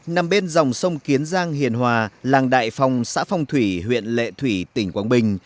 nằm bên dòng sông kiến giang hiền hòa làng đại phong xã phong thủy huyện lệ thủy tỉnh quảng bình